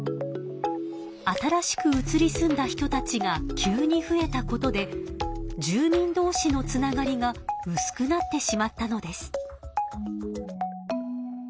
新しく移り住んだ人たちが急に増えたことで住人どうしのつながりがうすくなってしまったのです。